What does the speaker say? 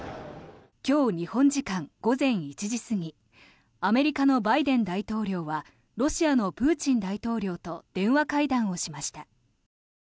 今日日本時間午前１時過ぎアメリカのバイデン大統領はロシアのプーチン大統領と電話会談をしました。